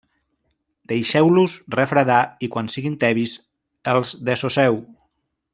Deixeu-los refredar i quan siguin tebis els desosseu.